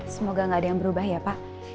semoga gak ada yang berubah ya pak